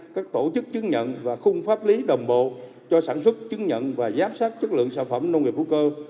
các tổ chức chứng nhận và khung pháp lý đồng bộ cho sản xuất chứng nhận và giám sát chất lượng sản phẩm nông nghiệp hữu cơ